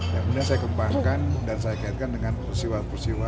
yang benar saya kembangkan dan saya kaitkan dengan persiwa persiwa